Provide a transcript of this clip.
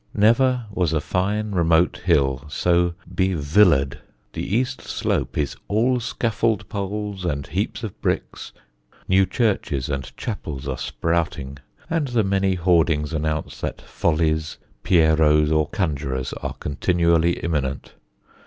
Never was a fine remote hill so be villa'd. The east slope is all scaffold poles and heaps of bricks, new churches and chapels are sprouting, and the many hoardings announce that Follies, Pierrots, or conjurors are continually imminent.